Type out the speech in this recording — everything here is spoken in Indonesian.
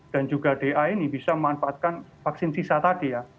dan juga da ini bisa memanfaatkan vaksin sisa tadi ya